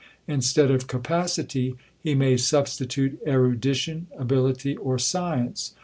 Instead of capacity, he may substitute erudition, ability, or science.